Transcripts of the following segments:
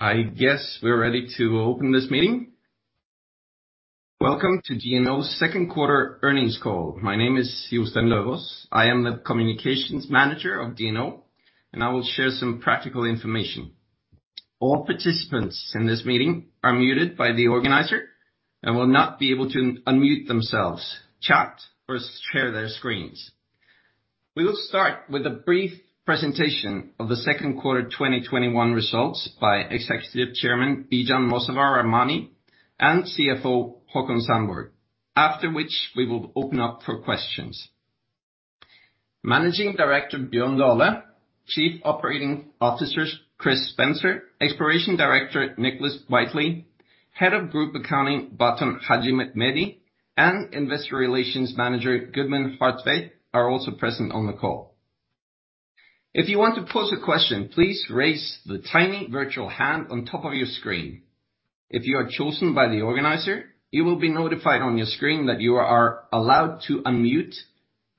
I guess we're ready to open this meeting. Welcome to DNO's second quarter earnings call. My name is Jostein Løvås. I am the Communications Manager of DNO, and I will share some practical information. All participants in this meeting are muted by the organizer and will not be able to unmute themselves, chat or share their screens. We will start with a brief presentation of the second quarter 2021 results by Executive Chairman, Bijan Mossavar-Rahmani, and CFO Haakon Sandborg. After which we will open up for questions. Managing Director, Bjørn Dale, Chief Operating Officer, Chris Spencer, Exploration Director, Nicholas Whiteley, Head of Group Accounting, Batun Haxhimehmedi, and Investor Relations Manager, Gudmund Hartveit, are also present on the call. If you want to pose a question, please raise the tiny virtual hand on top of your screen. If you are chosen by the organizer, you will be notified on your screen that you are allowed to unmute,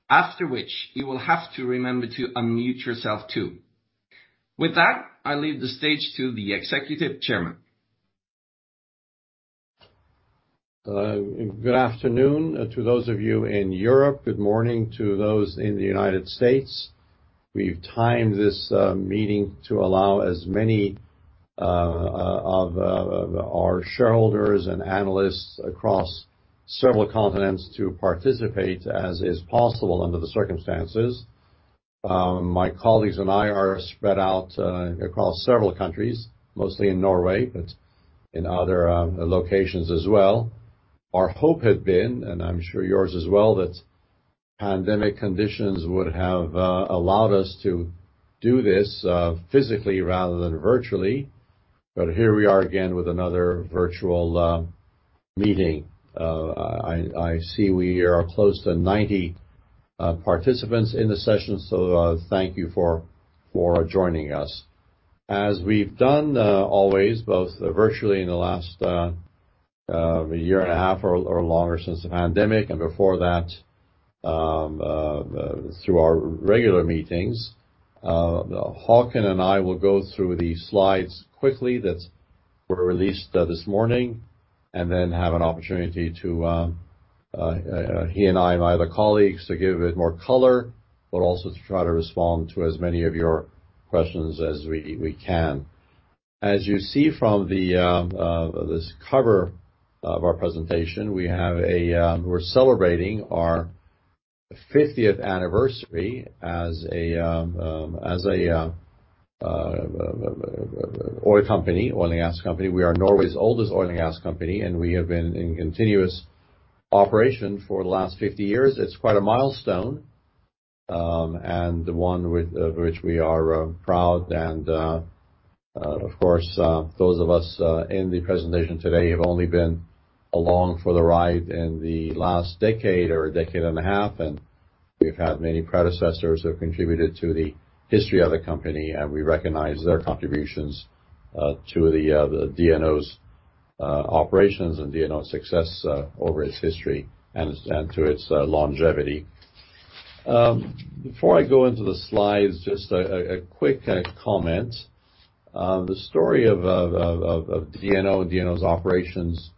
after which you will have to remember to unmute yourself, too. With that, I leave the stage to the Executive Chairman. Good afternoon to those of you in Europe. Good morning to those in the United States. We've timed this meeting to allow as many of our shareholders and analysts across several continents to participate as is possible under the circumstances. My colleagues and I are spread out across several countries, mostly in Norway, but in other locations as well. Our hope had been, and I'm sure yours as well, that pandemic conditions would have allowed us to do this physically rather than virtually. Here we are again with another virtual meeting. I see we are close to 90 participants in the session. Thank you for joining us. As we've done always, both virtually in the last year and a half or longer since the pandemic, and before that through our regular meetings, Haakon and I will go through the slides quickly that were released this morning, and then have an opportunity to, he and I and my other colleagues, to give it more color, but also to try to respond to as many of your questions as we can. As you see from this cover of our presentation, we're celebrating our 50th anniversary as an oil and gas company. We are Norway's oldest oil and gas company, and we have been in continuous operation for the last 50 years. It's quite a milestone, and one with which we are proud and, of course, those of us in the presentation today have only been along for the ride in the last decade or decade and a half. We've had many predecessors who have contributed to the history of the company, and we recognize their contributions to the DNO's operations and DNO's success over its history and to its longevity. Before I go into the slides, just a quick comment. The story of DNO and DNO's operations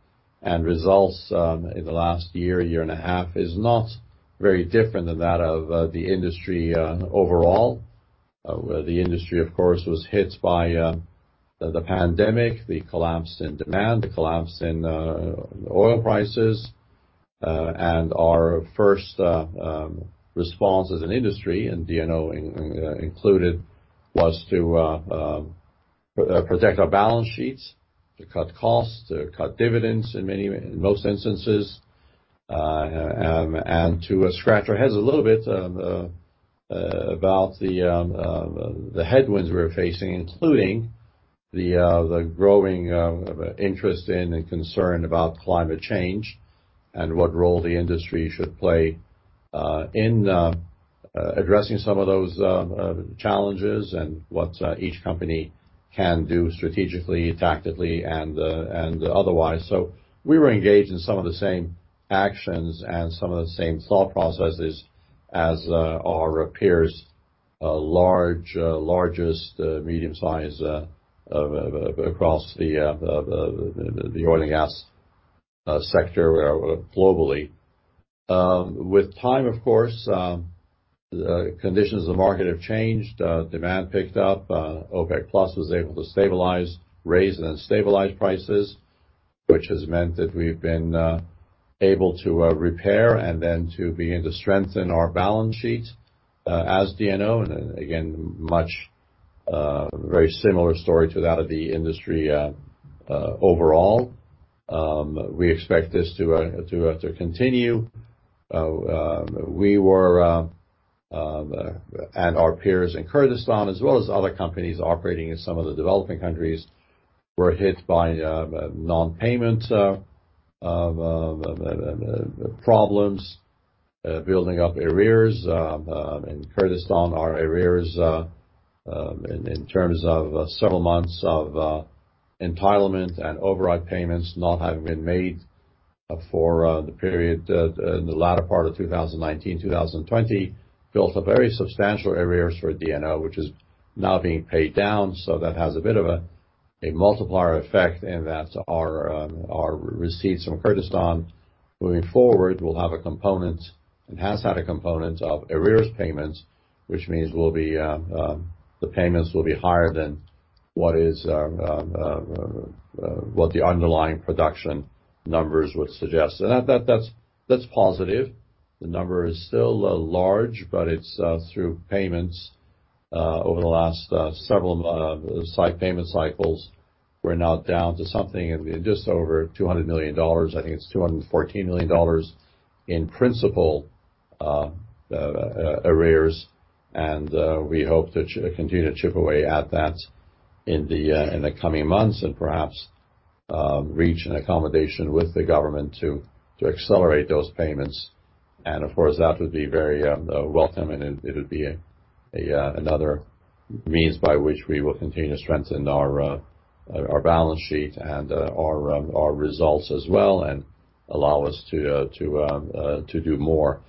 and results in the last year and a half, is not very different than that of the industry overall. The industry, of course, was hit by the pandemic, the collapse in demand, the collapse in oil prices. Our first response as an industry, and DNO included, was to protect our balance sheets, to cut costs, to cut dividends in most instances, and to scratch our heads a little bit about the headwinds we were facing, including the growing interest in and concern about climate change and what role the industry should play in addressing some of those challenges, and what each company can do strategically, tactically and otherwise. We were engaged in some of the same actions and some of the same thought processes as our peers, largest, medium size, across the oil and gas sector globally. With time, of course, conditions of the market have changed. Demand picked up. OPEC+ was able to raise and stabilize prices, which has meant that we've been able to repair and then to begin to strengthen our balance sheet as DNO. Again, very similar story to that of the industry overall. We expect this to continue. We were, and our peers in Kurdistan, as well as other companies operating in some of the developing countries, were hit by non-payment problems, building up arrears. In Kurdistan, our arrears in terms of several months of entitlement and override payments not having been made for the period in the latter part of 2019, 2020, built a very substantial arrears for DNO, which is now being paid down, so that has a bit of a multiplier effect in that our receipts from Kurdistan moving forward will have a component, and has had a component of arrears payments, which means the payments will be higher than what the underlying production numbers would suggest. That's positive. The number is still large, but it's through payments. Over the last several payment cycles, we're now down to something just over $200 million. I think it's $214 million in principal arrears, and we hope to continue to chip away at that in the coming months and perhaps reach an accommodation with the government to accelerate those payments. Of course, that would be very welcoming, and it would be another means by which we will continue to strengthen our balance sheet and our results as well, and allow us to do more.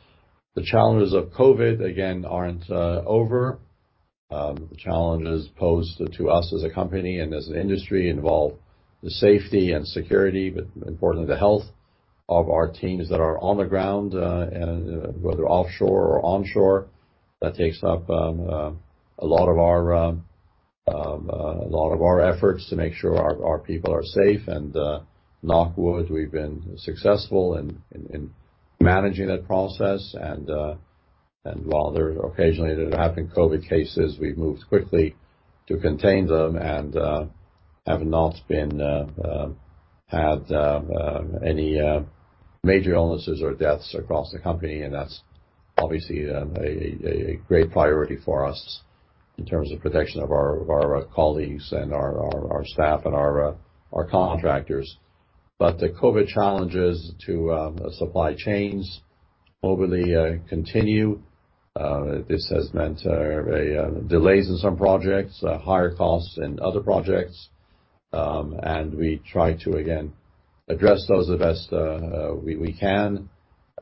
The challenges of COVID, again, aren't over. The challenges posed to us as a company and as an industry involve the safety and security, but importantly, the health of our teams that are on the ground, whether offshore or onshore. That takes up a lot of our efforts to make sure our people are safe. Knock on wood, we've been successful in managing that process. While occasionally there have been COVID cases, we've moved quickly to contain them and have not had any major illnesses or deaths across the company, and that's obviously a great priority for us in terms of protection of our colleagues and our staff and our contractors. The COVID challenges to supply chains globally continue. This has meant delays in some projects, higher costs in other projects. We try to, again, address those the best we can.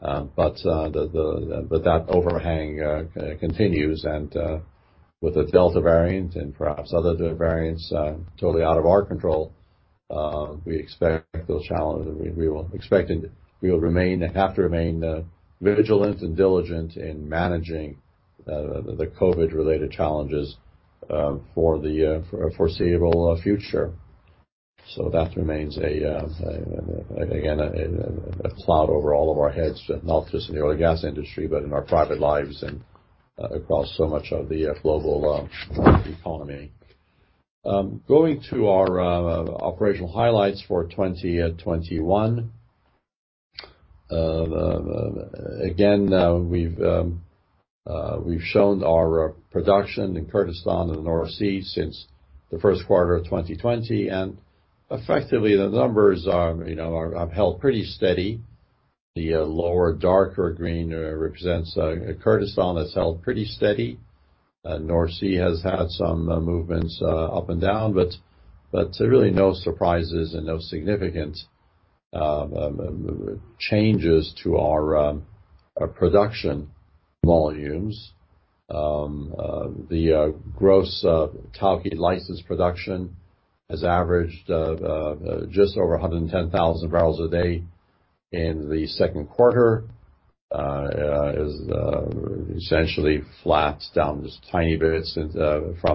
That overhang continues, and with the Delta variant and perhaps other variants totally out of our control, we will have to remain vigilant and diligent in managing the COVID-related challenges for the foreseeable future. That remains, again, a cloud over all of our heads, not just in the oil and gas industry, but in our private lives and across so much of the global economy. Going to our operational highlights for 2021. Again, we've shown our production in Kurdistan and the North Sea since the first quarter of 2020, and effectively, the numbers have held pretty steady. The lower darker green represents Kurdistan. That's held pretty steady. North Sea has had some movements up and down, but really no surprises and no significant changes to our production volumes. The gross Tawke license production has averaged just over 110,000 barrels a day in the second quarter. It is essentially flat, down this tiny bit from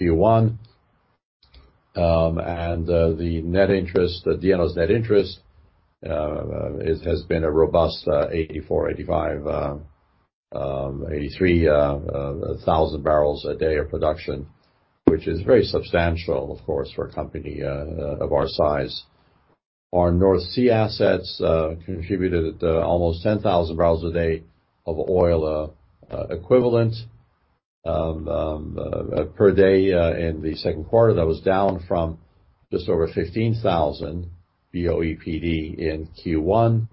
Q1. The net interest, DNO's net interest, has been a robust 84,000, 85,000, 83,000 bbl a day of production, which is very substantial, of course, for a company of our size. Our North Sea assets contributed almost 10,000 barrels a day of oil equivalent per day in the second quarter. That was down from just over 15,000 BOEPD in Q1.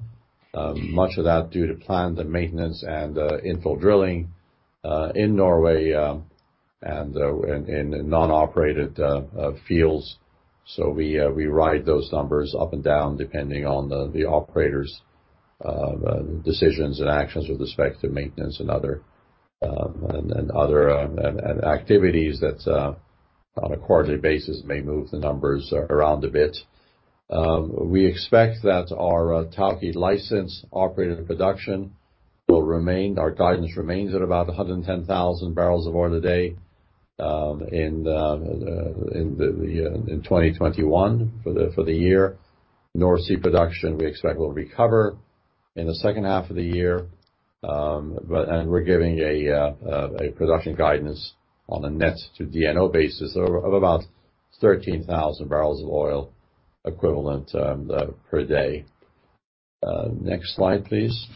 Much of that due to planned maintenance and infill drilling, in Norway, and in non-operated fields. We ride those numbers up and down depending on the operators' decisions and actions with respect to maintenance and other activities that on a quarterly basis may move the numbers around a bit. We expect that our Tawke license operated production, our guidance remains at about 110,000 barrels of oil a day in 2021 for the year. North Sea production we expect will recover in the second half of the year. We're giving a production guidance on a net-to-DNO basis of about 13,000 bbl of oil equivalent per day. Next slide, please.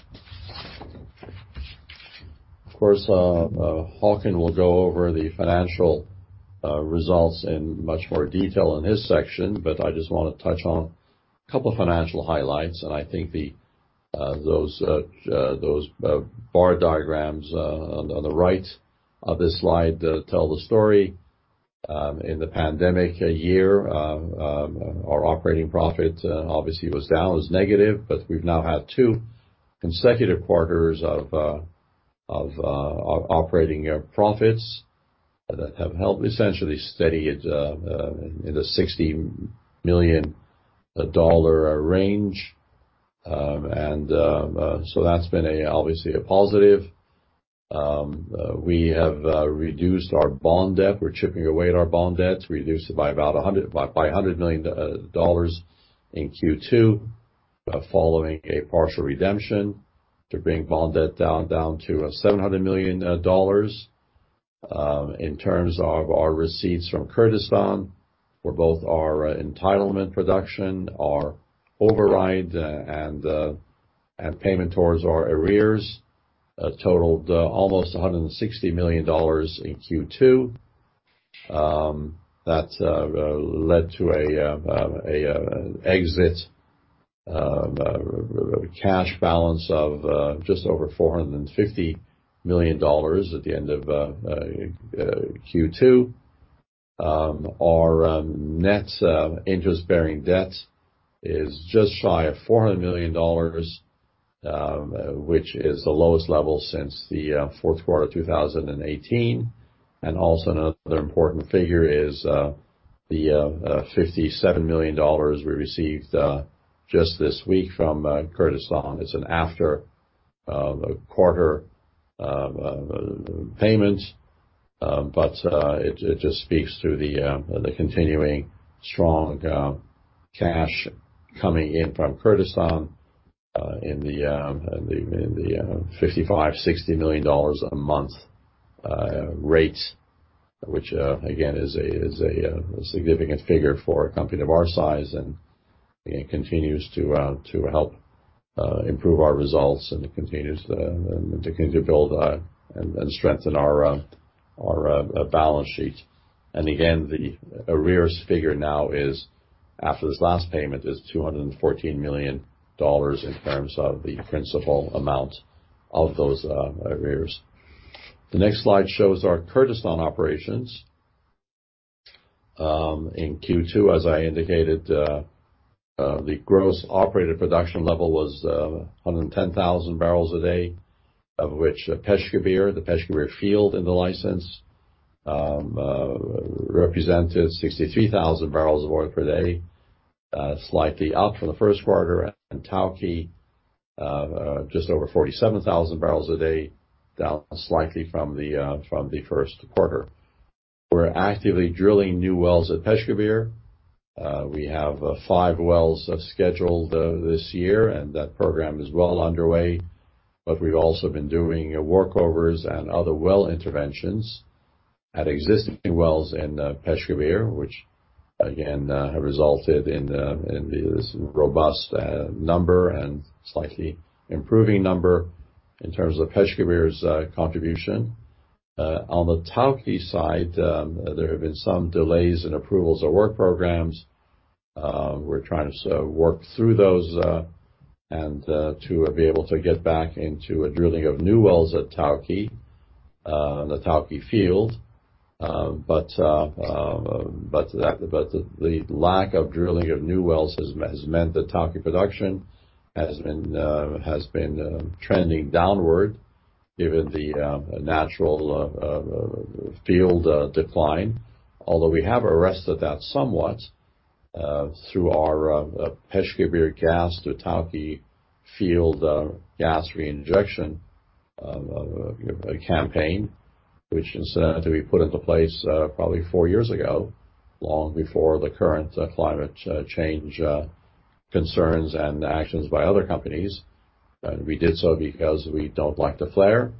Of course, Haakon will go over the financial results in much more detail in his section, but I just want to touch on a couple of financial highlights, and I think those bar diagrams on the right of this slide tell the story. In the pandemic year, our operating profit obviously was down. It was negative, but we've now had two consecutive quarters of operating profits that have held essentially steady in the $60 million range. That's been obviously a positive. We have reduced our bond debt. We're chipping away at our bond debt. Reduced it by about $100 million in Q2, following a partial redemption to bring bond debt down to $700 million. In terms of our receipts from Kurdistan, for both our entitlement production, our override, and payment towards our arrears totaled almost $160 million in Q2. That led to an exit cash balance of just over $450 million at the end of Q2. Our net interest-bearing debt is just shy of $400 million, which is the lowest level since the fourth quarter 2018. Also, another important figure is the $57 million we received just this week from Kurdistan. It's an after-quarter payment, but it just speaks to the continuing strong cash coming in from Kurdistan in the $55 million, $60 million a month rate, which again, is a significant figure for a company of our size, and it continues to help improve our results, and it continues to build and strengthen our balance sheet. Again, the arrears figure now is, after this last payment, is $214 million in terms of the principal amount of those arrears. The next slide shows our Kurdistan operations. In Q2, as I indicated, the gross operated production level was 110,000 bbl a day, of which Peshkabir, the Peshkabir field in the license, represented 63,000 barrels of oil per day. Slightly up from the first quarter. Tawke, just over 47,000 bbl a day, down slightly from the first quarter. We're actively drilling new wells at Peshkabir. We have five wells scheduled this year, and that program is well underway, but we've also been doing workovers and other well interventions at existing wells in Peshkabir, which again, have resulted in this robust number and slightly improving number in terms of Peshkabir's contribution. On the Tawke side, there have been some delays in approvals of work programs. We're trying to work through those, and to be able to get back into drilling of new wells at Tawke, the Tawke field. The lack of drilling of new wells has meant that Tawke production has been trending downward given the natural field decline. Although we have arrested that somewhat through our Peshkabir gas to Tawke field gas reinjection campaign, which incidentally we put into place probably four years ago, long before the current climate change concerns and actions by other companies. We did so because we don't like to flare,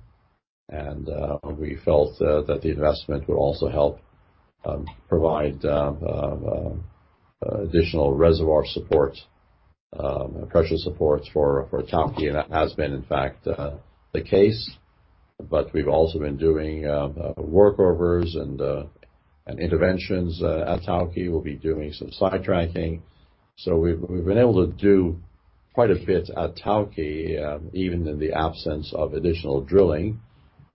and we felt that the investment would also help provide additional reservoir support, pressure support for Tawke, and that has been, in fact, the case. We've also been doing workovers and interventions at Tawke. We'll be doing some sidetracking. We've been able to do quite a bit at Tawke, even in the absence of additional drilling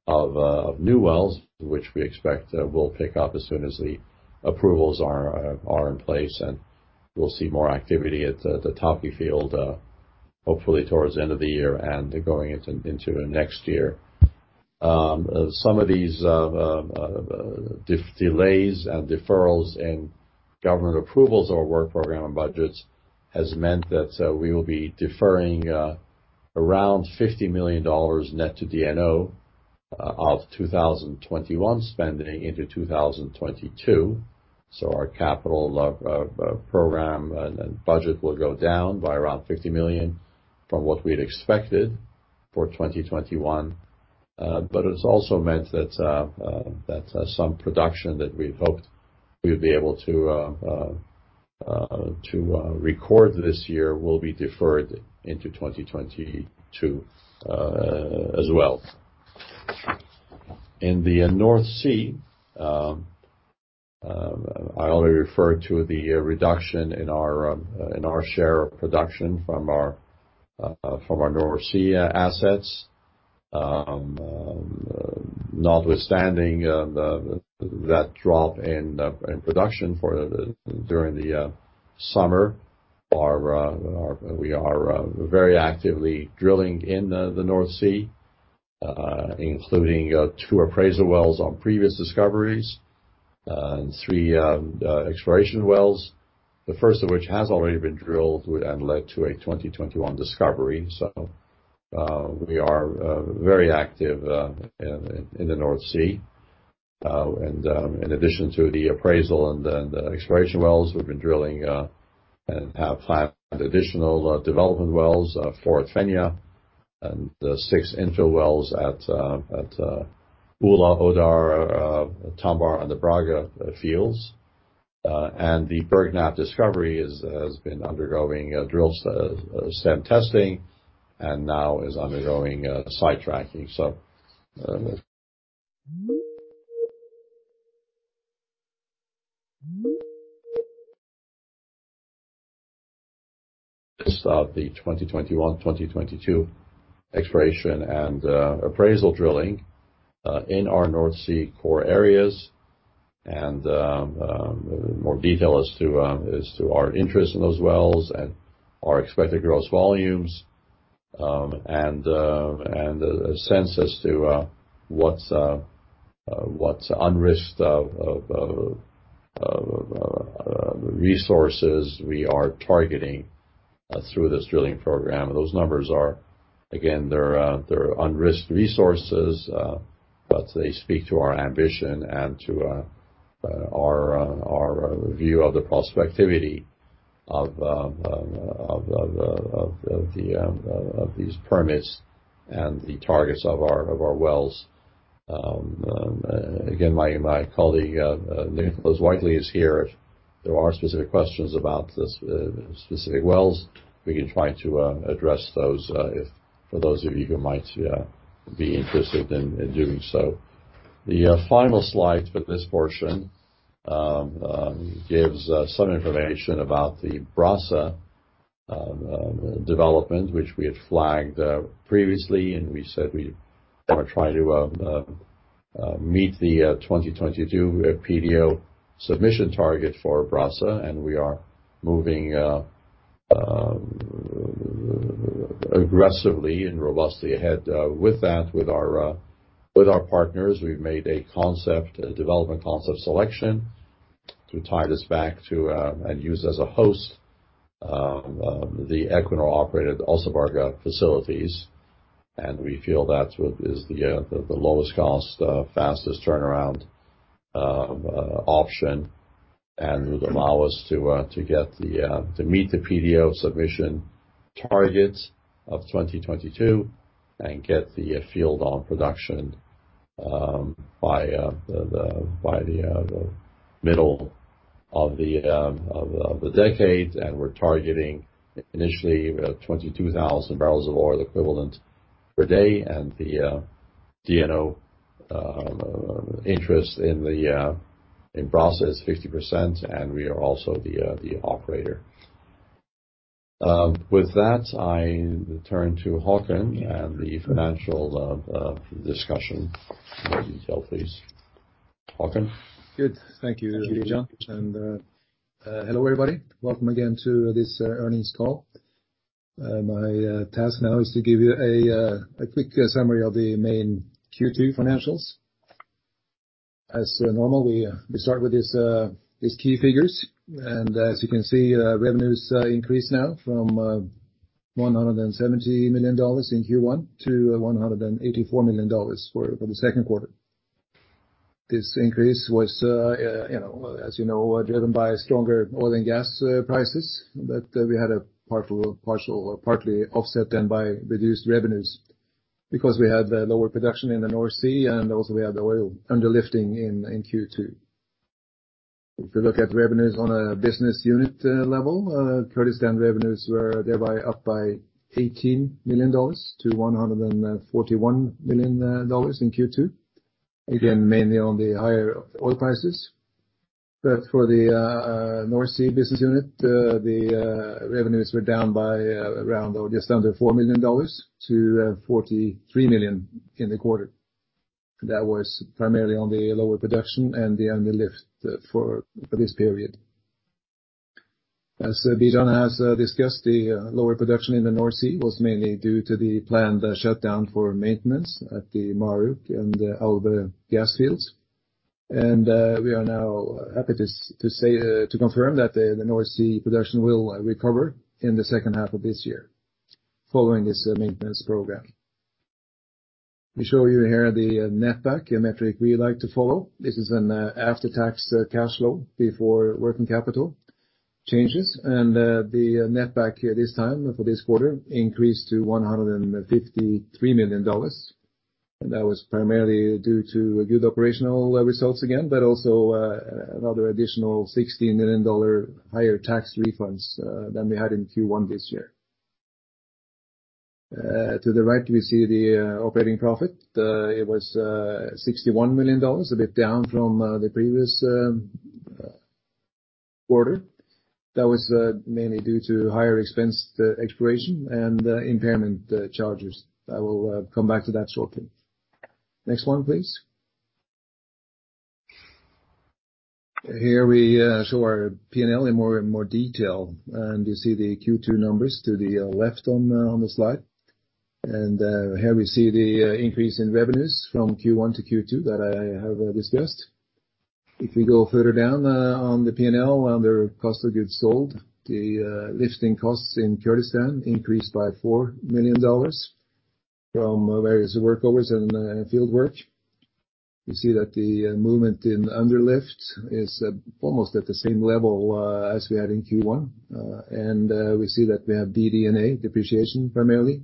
of new wells, which we expect will pick up as soon as the approvals are in place. We'll see more activity at the Tawke field, hopefully towards the end of the year and going into next year. Some of these delays and deferrals in government approvals of our work program and budgets has meant that we will be deferring around $50 million net to DNO of 2021 spending into 2022. Our capital program and budget will go down by around $50 million from what we'd expected for 2021. It's also meant that some production that we'd hoped we'd be able to record this year will be deferred into 2022 as well. In the North Sea, I already referred to the reduction in our share of production from our North Sea assets. Notwithstanding that drop in production during the summer, we are very actively drilling in the North Sea, including two appraisal wells on previous discoveries and three exploration wells, the first of which has already been drilled and led to a 2021 discovery. We are very active in the North Sea. In addition to the appraisal and the exploration wells, we've been drilling and have planned additional development wells, four at Fenja and six infill wells at Ula, Oda, Tambar and the Brage fields. The Bergknapp discovery has been undergoing drill stem testing and now is undergoing sidetracking. The 2021, 2022 exploration and appraisal drilling in our North Sea core areas and more detail as to our interest in those wells and our expected gross volumes, and a sense as to what's unrisked of resources we are targeting through this drilling program. Those numbers are, again, they're unrisked resources, but they speak to our ambition and to our view of the prospectivity of these permits and the targets of our wells. Again, my colleague, Nicholas Whiteley, is here. If there are specific questions about the specific wells, we can try to address those, for those of you who might be interested in doing so. The final slide for this portion gives some information about the Brage development, which we had flagged previously. We said we are trying to meet the 2022 PDO submission target for Brage. We are moving aggressively and robustly ahead with that with our partners. We've made a development concept selection to tie this back to and use as a host, the Equinor-operated Åsgard facilities. We feel that's what is the lowest cost, fastest turnaround option and would allow us to meet the PDO submission targets of 2022 and get the field on production by the middle of the decade. We're targeting initially 22,000 barrels of oil equivalent per day and the DNO interest in Brage is 50%, and we are also the operator. With that, I turn to Haakon and the financial discussion in more detail, please. Haakon? Good. Thank you, Bijan. Hello, everybody. Welcome again to this earnings call. My task now is to give you a quick summary of the main Q2 financials. As normal, we start with these key figures. As you can see, revenues increase now from $170 million in Q1 to $184 million for the second quarter. This increase was, as you know, driven by stronger oil and gas prices. We had a partly offset then by reduced revenues because we had lower production in the North Sea and also we had oil under-lifting in Q2. If you look at revenues on a business unit level, Kurdistan revenues were thereby up by $18 million to $141 million in Q2. Again, mainly on the higher oil prices. For the North Sea business unit, the revenues were down by around just under $4 million to $43 million in the quarter. That was primarily on the lower production and the under-lift for this period. As Bijan has discussed, the lower production in the North Sea was mainly due to the planned shutdown for maintenance at the Marulk and Alvheim gas fields. We are now happy to confirm that the North Sea production will recover in the second half of this year following this maintenance program. We show you here the netback metric we like to follow. This is an after-tax cash flow before working capital changes. The netback this time for this quarter increased to $153 million. That was primarily due to good operational results again, but also another additional $16 million higher tax refunds than we had in Q1 this year. To the right, we see the operating profit. It was $61 million, a bit down from the previous-quarter. That was mainly due to higher expense exploration and impairment charges. I will come back to that shortly. Next one, please. Here we show our P&L in more detail, and you see the Q2 numbers to the left on the slide. Here we see the increase in revenues from Q1 to Q2 that I have discussed. If we go further down on the P&L, under cost of goods sold, the lifting costs in Kurdistan increased by $4 million from various workovers and field work. We see that the movement in underlift is almost at the same level as we had in Q1. We see that we have DD&A depreciation primarily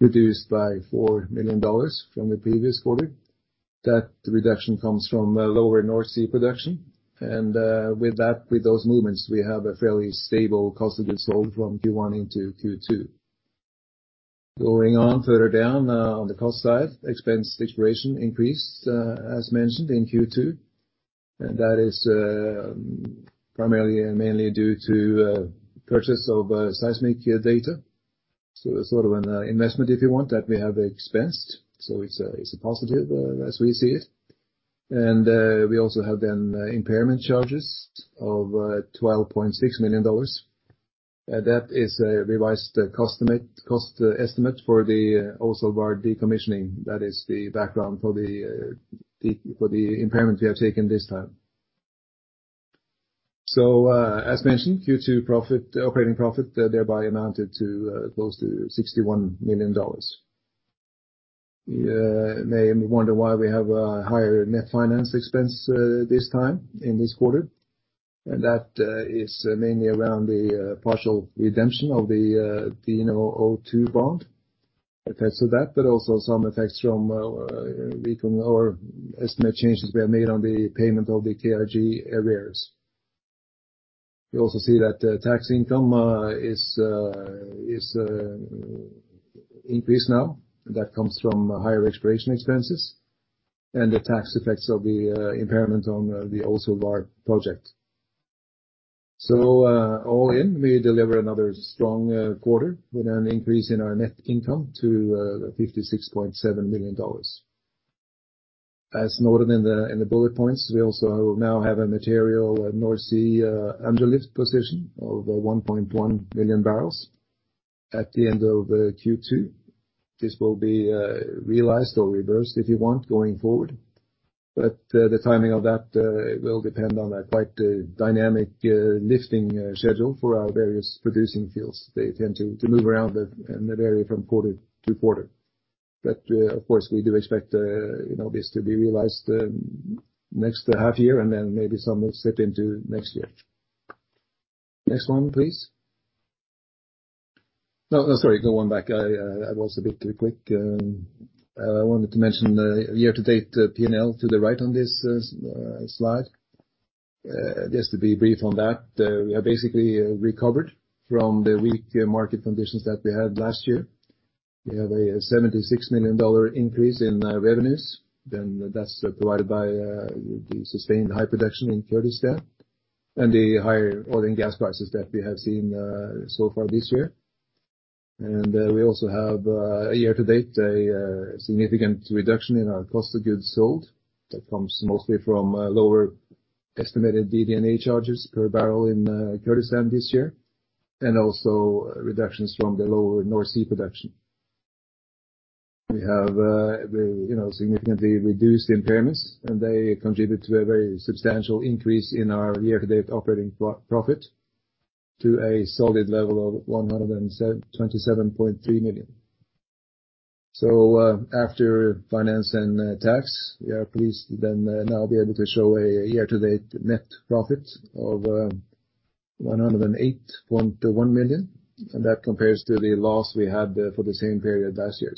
reduced by $4 million from the previous quarter. That reduction comes from lower North Sea production, and with those movements, we have a fairly stable cost of goods sold from Q1 into Q2. Going on further down on the cost side, expense exploration increased as mentioned in Q2. That is primarily and mainly due to purchase of seismic data. Sort of an investment, if you want, that we have expensed. It's a positive as we see it. We also have impairment charges of $12.6 million. That is a revised cost estimate for the Oselvar decommissioning. That is the background for the impairment we have taken this time. As mentioned, Q2 operating profit thereby amounted to close to $61 million. You may wonder why we have a higher net finance expense this time in this quarter. That is mainly around the partial redemption of the DNO02 bond. Effects of that, also some effects from our estimate changes we have made on the payment of the KRG arrears. You also see that tax income is increased now. That comes from higher exploration expenses and the tax effects of the impairment on the Oselvar project. All in, we deliver another strong quarter with an increase in our net income to $56.7 million. As noted in the bullet points, we also now have a material North Sea underlift position of 1.1 million barrels at the end of Q2. This will be realized or reversed, if you want, going forward. The timing of that will depend on a quite dynamic lifting schedule for our various producing fields. They tend to move around and vary from quarter to quarter. Of course, we do expect this to be realized next half-year and then maybe some will slip into next year. Next one, please. No, sorry, go one back. I was a bit too quick. I wanted to mention the year-to-date P&L to the right on this slide. Just to be brief on that, we have basically recovered from the weak market conditions that we had last year. We have a $76 million increase in revenues, that's divided by the sustained high production in Kurdistan and the higher oil and gas prices that we have seen so far this year. We also have a year-to-date a significant reduction in our cost of goods sold. That comes mostly from lower estimated DD&A charges per barrel in Kurdistan this year, and also reductions from the lower North Sea production. We have significantly reduced impairments, they contribute to a very substantial increase in our year-to-date operating profit to a solid level of $127.3 million. After finance and tax, we are pleased to then now be able to show a year-to-date net profit of $108.1 million, and that compares to the loss we had for the same period last year.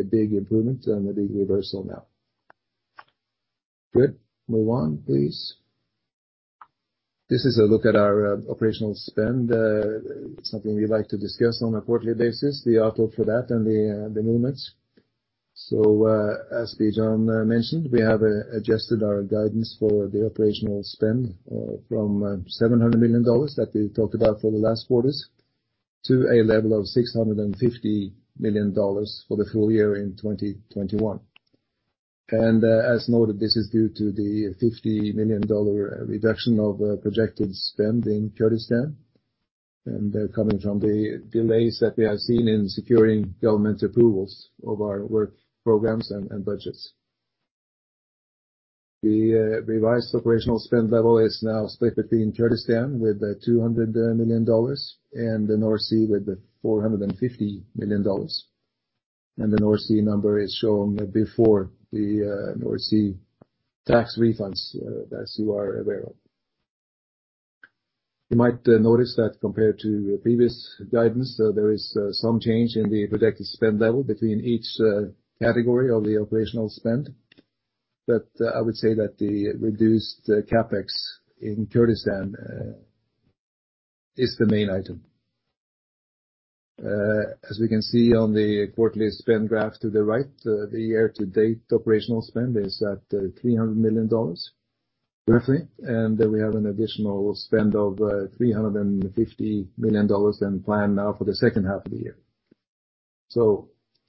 A big improvement and a big reversal now. Good. Move on, please. This is a look at our operational spend. Something we like to discuss on a quarterly basis, the outlook for that and the movements. As Bijan mentioned, we have adjusted our guidance for the operational spend from $700 million that we talked about for the last quarters, to a level of $650 million for the full year in 2021. As noted, this is due to the $50 million reduction of projected spend in Kurdistan, and coming from the delays that we have seen in securing government approvals of our work programs and budgets. The revised operational spend level is now split between Kurdistan with $200 million and the North Sea with $450 million. The North Sea number is shown before the North Sea tax refunds, as you are aware of. You might notice that compared to previous guidance, there is some change in the projected spend level between each category of the operational spend. I would say that the reduced CapEx in Kurdistan is the main item. As we can see on the quarterly spend graph to the right, the year-to-date operational spend is at $300 million. Roughly. We have an additional spend of $350 million and plan now for the second half of the year.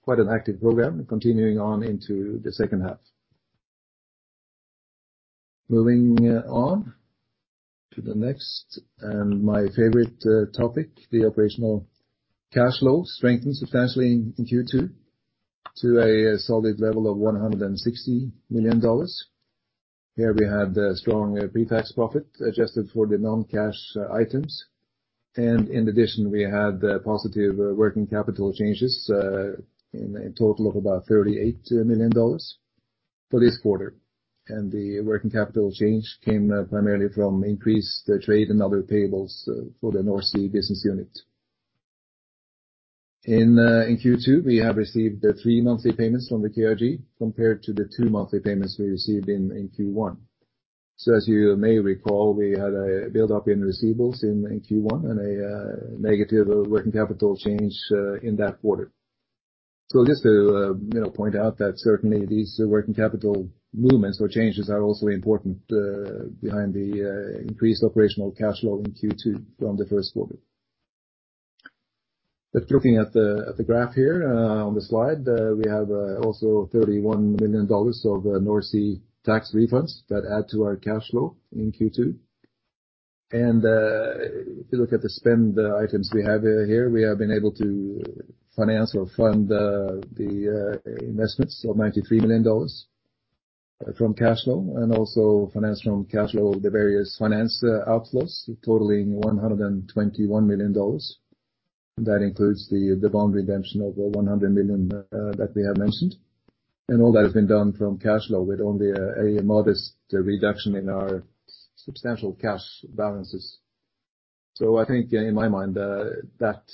Quite an active program continuing on into the second half. Moving on to the next and my favorite topic, the operational cash flow strengthened substantially in Q2 to a solid level of $160 million. Here we had a strong pre-tax profit adjusted for the non-cash items. In addition, we had positive working capital changes in a total of about $38 million for this quarter. The working capital change came primarily from increased trade and other payables for the North Sea business unit. In Q2, we have received the three monthly payments from the KRG compared to the two monthly payments we received in Q1. As you may recall, we had a build-up in receivables in Q1 and a negative working capital change in that quarter. Just to point out that certainly these working capital movements or changes are also important behind the increased operational cash flow in Q2 from the first quarter. Just looking at the graph here on the slide, we have also $31 million of North Sea tax refunds that add to our cash flow in Q2. If you look at the spend items we have here, we have been able to finance or fund the investments of $93 million from cash flow and also finance from cash flow the various finance outflows totaling $121 million. That includes the bond redemption of $100 million that we have mentioned. All that has been done from cash flow with only a modest reduction in our substantial cash balances. I think in my mind, the fact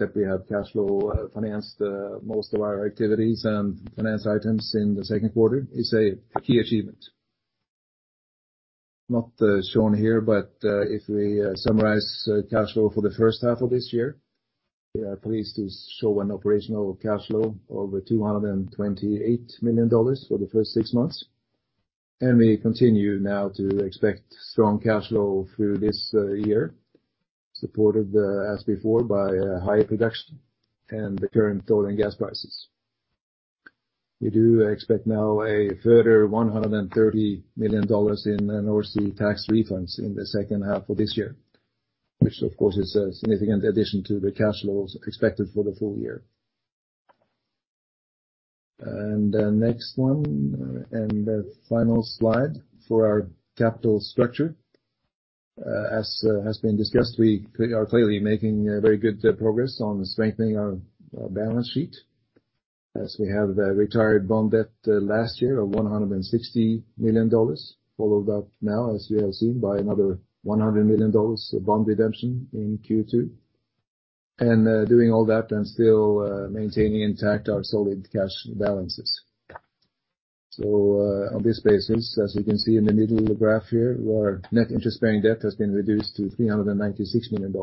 that we have cash flow-financed most of our activities and finance items in the second quarter is a key achievement. Not shown here, but if we summarize cash flow for the first half of this year, we are pleased to show an operational cash flow over $228 million for the first six months. We continue now to expect strong cash flow through this year, supported as before by higher production and the current oil and gas prices. We do expect now a further $130 million in North Sea tax refunds in the second half of this year, which of course is a significant addition to the cash flows expected for the full year. Next one and the final slide for our capital structure. As has been discussed, we are clearly making very good progress on strengthening our balance sheet as we have retired bond debt last year of $160 million, followed up now as you have seen by another $100 million of bond redemption in Q2. Doing all that and still maintaining intact our solid cash balances. On this basis, as you can see in the middle of the graph here, our net interest-bearing debt has been reduced to $396 million.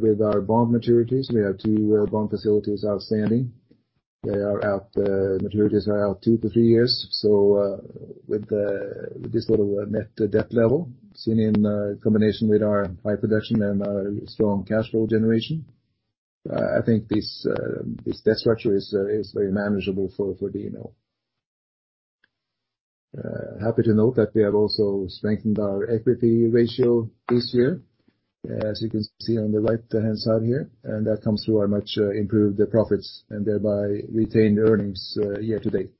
With our bond maturities, we have two bond facilities outstanding. The maturities are out two to three years. With this sort of net debt level seen in combination with our high production and our strong cash flow generation, I think this debt structure is very manageable for DNO. Happy to note that we have also strengthened our equity ratio this year, as you can see on the right-hand side here, and that comes through our much improved profits and thereby retained earnings year-to-date.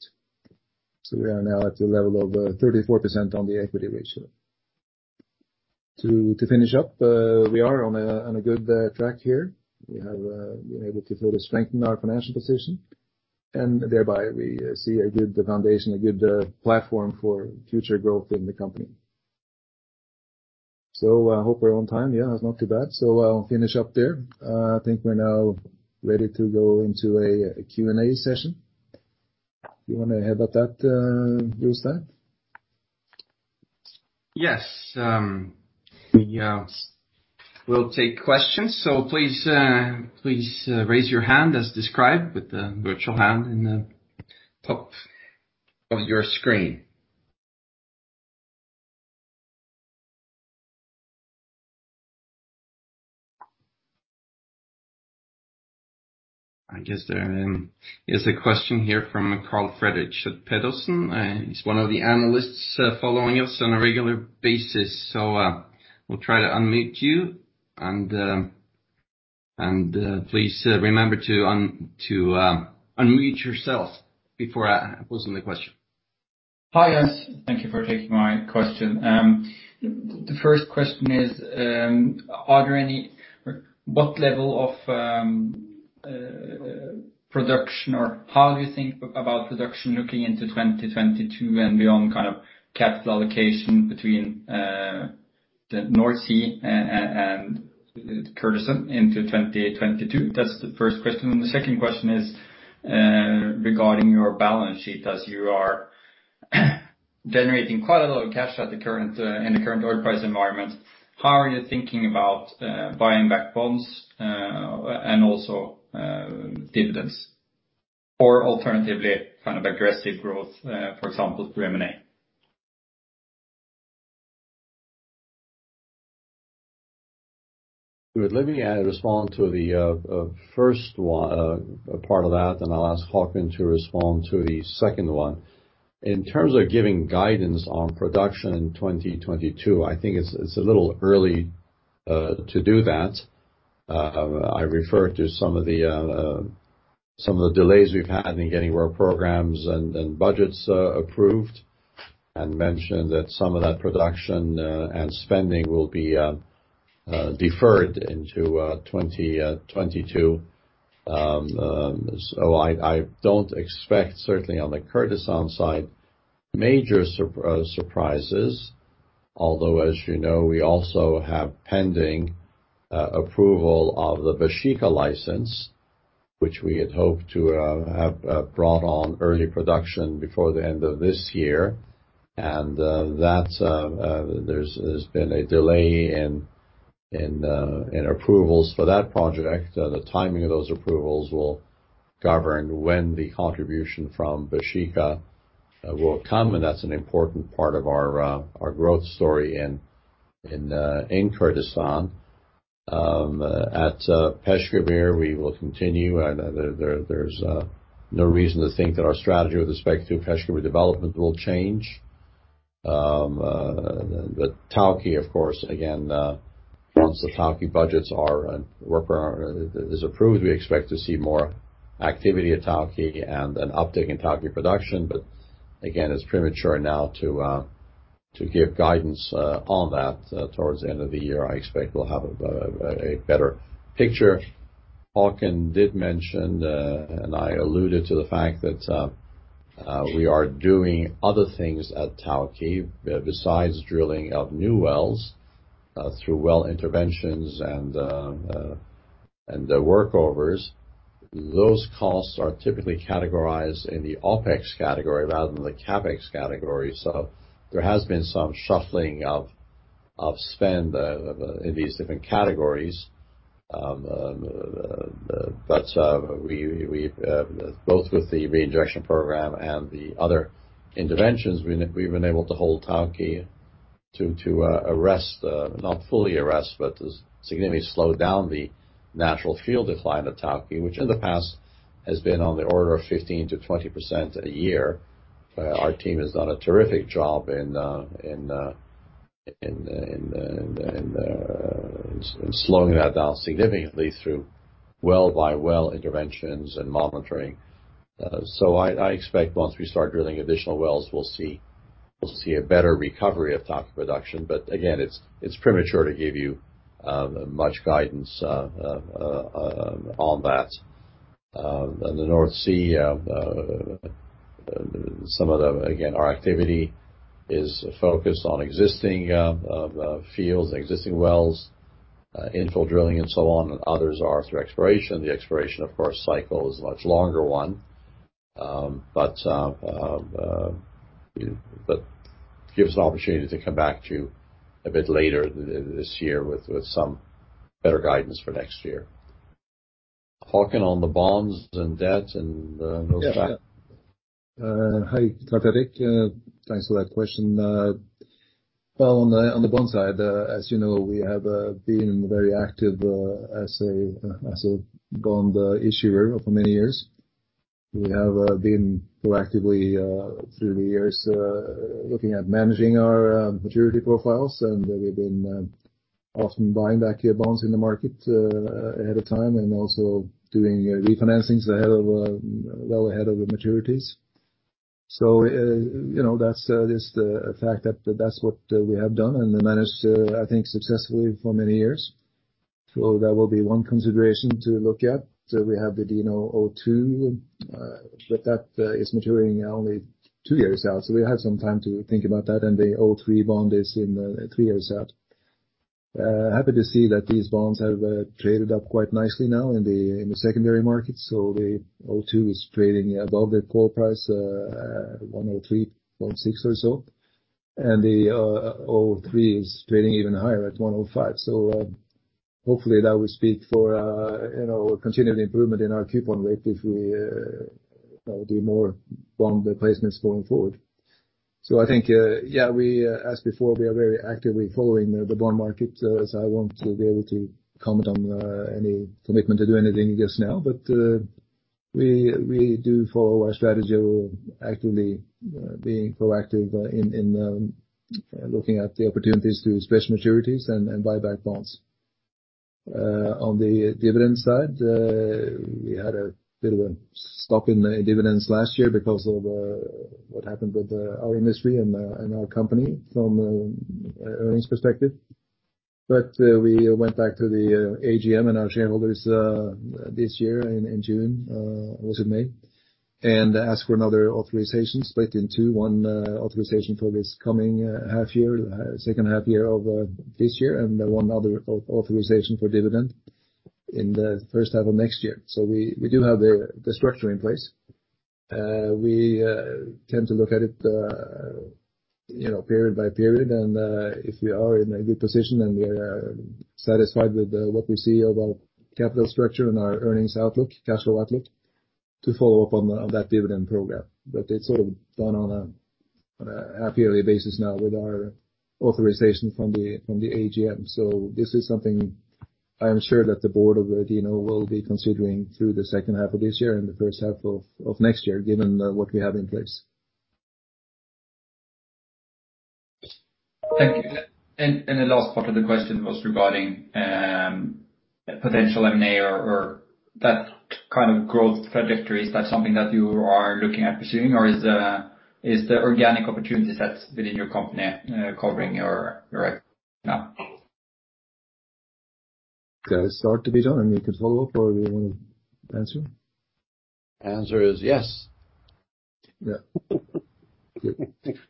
We are now at the level of 34% on the equity ratio. To finish up, we are on a good track here. We have been able to further strengthen our financial position, and thereby we see a good foundation, a good platform for future growth in the company. I hope we're on time. Yeah, it's not too bad. I'll finish up there. I think we're now ready to go into a Q&A session. You want to head up that, Jostein? Yes. We'll take questions. Please raise your hand as described with the virtual hand in the top of your screen. I guess there is a question here from Carl Fredrick Pedersen. He's one of the analysts following us on a regular basis. We'll try to unmute you, and please remember to unmute yourself before posing the question. Hi, guys. Thank you for taking my question. The first question is, what level of production, or how do you think about production looking into 2022 and beyond, kind of capital allocation between the North Sea and Kurdistan into 2022? That's the first question. The second question is regarding your balance sheet as you are generating quite a lot of cash in the current oil price environment, how are you thinking about buying back bonds and also dividends? Alternatively, aggressive growth, for example, through M&A? Good. Let me respond to the first part of that, then I'll ask Haakon to respond to the second one. In terms of giving guidance on production in 2022, I think it's a little early to do that. I refer to some of the delays we've had in getting our programs and budgets approved, and mention that some of that production and spending will be deferred into 2022. I don't expect, certainly on the Kurdistan side, major surprises. Although, as you know, we also have pending approval of the Baeshiqa license, which we had hoped to have brought on early production before the end of this year. There's been a delay in approvals for that project. The timing of those approvals will govern when the contribution from Baeshiqa will come, and that's an important part of our growth story in Kurdistan. At Peshkabir, we will continue. There's no reason to think that our strategy with respect to Peshkabir development will change. Tawke, of course, again, once the Tawke budgets and work program is approved, we expect to see more activity at Tawke and an uptick in Tawke production. Again, it's premature now to give guidance on that. Towards the end of the year, I expect we'll have a better picture. Haakon did mention, and I alluded to the fact that we are doing other things at Tawke besides drilling of new wells through well interventions and the workovers. Those costs are typically categorized in the OpEx category rather than the CapEx category. There has been some shuffling of spend in these different categories. Both with the re-injection program and the other interventions, we've been able to hold Tawke to arrest, not fully arrest, but significantly slow down the natural field decline at Tawke, which in the past has been on the order of 15%-20% a year. Our team has done a terrific job in slowing that down significantly through well-by-well interventions and monitoring. I expect once we start drilling additional wells, we'll see a better recovery of Tawke production. Again, it's premature to give you much guidance on that. In the North Sea, some of the, again, our activity is focused on existing fields, existing wells, infill drilling and so on, and others are through exploration. The exploration, of course, cycle is a much longer one. Give us an opportunity to come back to you a bit later this year with some better guidance for next year. Haakon, on the bonds and debt. Yeah. Hi, Teodor Sveen-Nilsen, thanks for that question. Well, on the bond side, as you know, we have been very active as a bond issuer for many years. We have been proactively, through the years, looking at managing our maturity profiles, and we've been often buying back bonds in the market ahead of time and also doing refinancings well ahead of the maturities. That's just a fact that that's what we have done and managed to, I think, successfully for many years. That will be one consideration to look at. We have the DNO02, but that is maturing only two years out. We have some time to think about that, and the DNO03 bond is three years out. Happy to see that these bonds have traded up quite nicely now in the secondary market. The DNO02 is trading above the call price, $103.6 or so. The DNO03 is trading even higher at 105. Hopefully, that will speak for continued improvement in our coupon rate if we do more bond replacements going forward. I think, yeah, as before, we are very actively following the bond market. I won't be able to comment on any commitment to do anything just now. We do follow our strategy of actively being proactive in looking at the opportunities to switch maturities and buy back bonds. On the dividend side, we had a bit of a stop in the dividends last year because of what happened with our industry and our company from an earnings perspective. We went back to the AGM and our shareholders this year in June, or was it May? Asked for another authorization split in two. One authorization for this coming half year, second half year of this year, and one other authorization for dividend in the first half of next year. We do have the structure in place. We tend to look at it period by period, and if we are in a good position then we are satisfied with what we see of our capital structure and our earnings outlook, cash flow outlook to follow up on that dividend program. It's sort of done on a half-yearly basis now with our authorization from the AGM. This is something I am sure that the board of DNO will be considering through the second half of this year and the first half of next year, given what we have in place. Thank you. The last part of the question was regarding potential M&A or that kind of growth trajectory. Is that something that you are looking at pursuing, or is the organic opportunities that's within your company covering your CapEx now? That is hard to beat, and you can follow up or you want to answer? Answer is yes. Yeah. Thank you. Okay.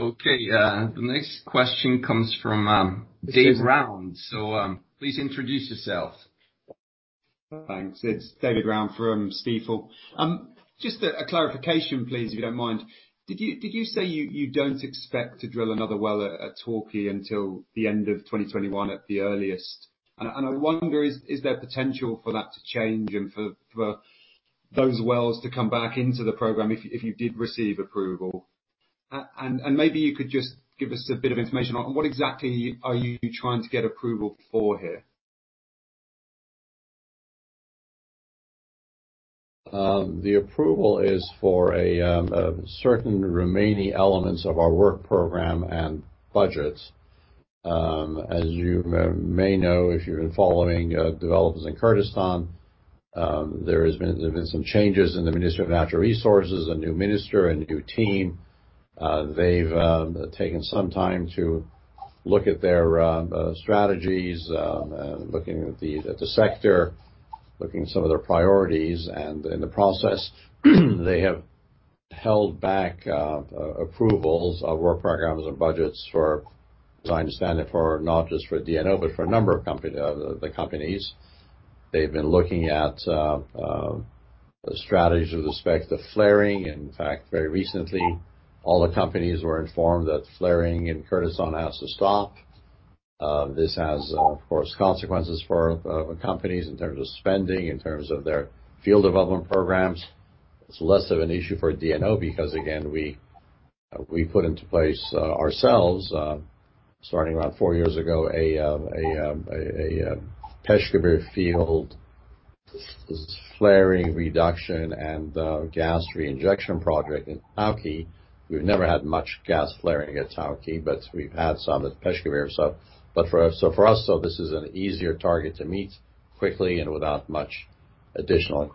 Okay. The next question comes from David Round. Please introduce yourself. Thanks. It's David Round from Stifel. Just a clarification, please, if you don't mind. Did you say you don't expect to drill another well at Tawke until the end of 2021 at the earliest? I wonder, is there potential for that to change and for those wells to come back into the program if you did receive approval? Maybe you could just give us a bit of information on what exactly are you trying to get approval for here. The approval is for a certain remaining elements of our work program and budgets. As you may know, if you've been following developments in Kurdistan, there's been some changes in the Ministry of Natural Resources, a new minister, a new team. They've taken some time to look at their strategies, looking at the sector, looking at some of their priorities, and in the process they have held back approvals of work programs and budgets for, as I understand it, for not just for DNO, but for a number of the companies. They've been looking at strategies with respect to flaring. In fact, very recently, all the companies were informed that flaring in Kurdistan has to stop. This has, of course, consequences for companies in terms of spending, in terms of their field development programs. It's less of an issue for DNO because, again, we put into place ourselves, starting around four years ago, a Peshkabir field flaring reduction and gas reinjection project in Tawke. We've never had much gas flaring at Tawke, but we've had some at Peshkabir. For us, this is an easier target to meet quickly and without much additional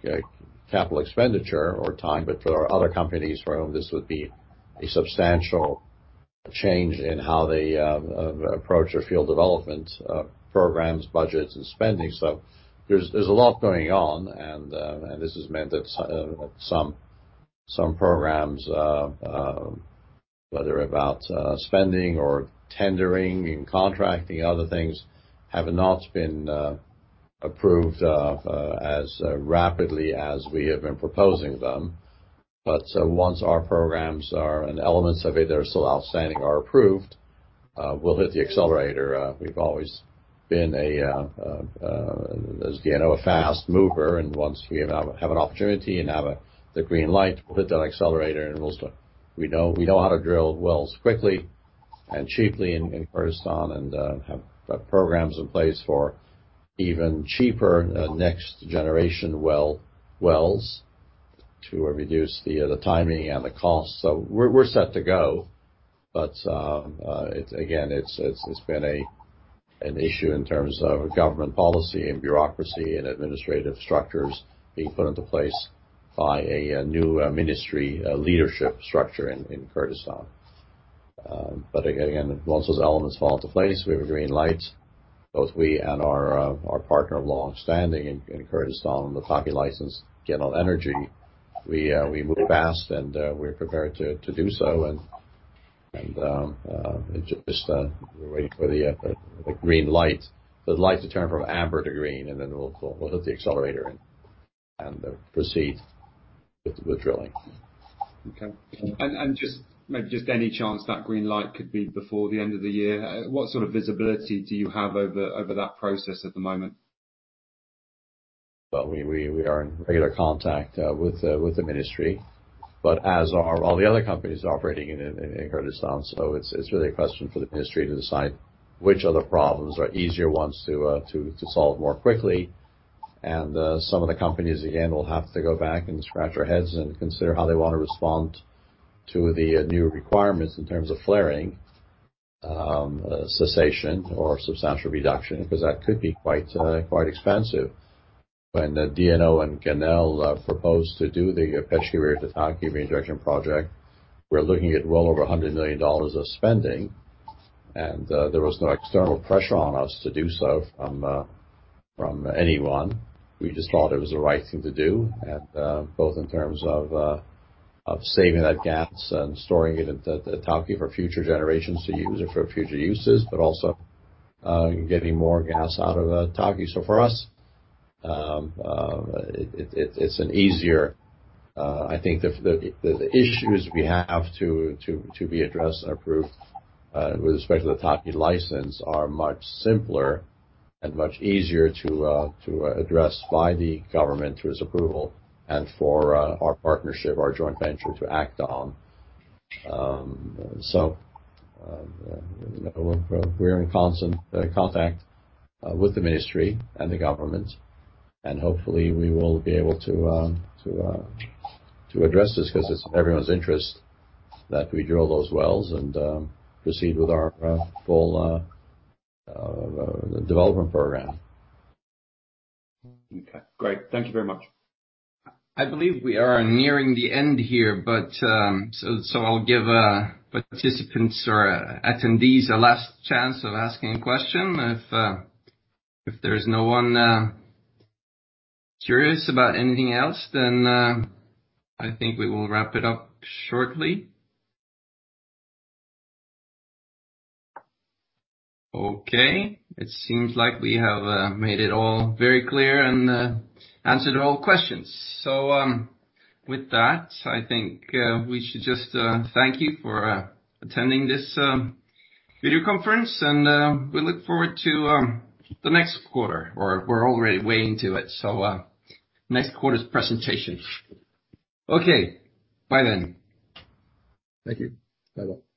capital expenditure or time. For our other companies for whom this would be a substantial change in how they approach their field development programs, budgets, and spending. There's a lot going on, and this has meant that some programs, whether about spending or tendering and contracting other things, have not been approved as rapidly as we have been proposing them. Once our programs are, and elements of it that are still outstanding are approved, we'll hit the accelerator. We've always been, as DNO, a fast mover, once we have an opportunity and have the green light, we'll hit that accelerator, and we'll start. We know how to drill wells quickly and cheaply in Kurdistan and have programs in place for even cheaper next-generation wells to reduce the timing and the cost. We're set to go. Again, it's been an issue in terms of government policy and bureaucracy and administrative structures being put into place by a new ministry leadership structure in Kurdistan. Again, once those elements fall into place, we have a green light, both we and our partner of longstanding in Kurdistan on the Tawke license, Genel Energy, we move fast, and we're prepared to do so. Just we're waiting for the green light, the light to turn from amber to green, and then we'll hit the accelerator and proceed with the drilling. Okay. Just maybe, just any chance that green light could be before the end of the year? What sort of visibility do you have over that process at the moment? Well, we are in regular contact with the ministry, but as are all the other companies operating in Kurdistan. It's really a question for the ministry to decide which of the problems are easier ones to solve more quickly. Some of the companies, again, will have to go back and scratch our heads and consider how they want to respond to the new requirements in terms of flaring cessation or substantial reduction, because that could be quite expensive. When DNO and Genel proposed to do the Peshkabir to Tawke reinjection project, we're looking at well over $100 million of spending, and there was no external pressure on us to do so from anyone. We just thought it was the right thing to do, both in terms of saving that gas and storing it at Tawke for future generations to use it for future uses, also getting more gas out of Tawke. For us, I think the issues we have to be addressed and approved with respect to the Tawke license are much simpler and much easier to address by the government through its approval and for our partnership, our joint venture, to act on. We're in constant contact with the ministry and the government, and hopefully we will be able to address this because it's in everyone's interest that we drill those wells and proceed with our full development program. Okay, great. Thank you very much. I believe we are nearing the end here, so I'll give participants or attendees a last chance of asking a question. If there is no one curious about anything else, then I think we will wrap it up shortly. Okay. It seems like we have made it all very clear and answered all questions. With that, I think we should just thank you for attending this video conference, and we look forward to the next quarter, or we're already way into it, so next quarter's presentation. Okay, bye then. Thank you. Bye-bye.